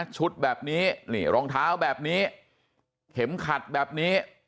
ชุดแบบนี้นี่รองเท้าแบบนี้เข็มขัดแบบนี้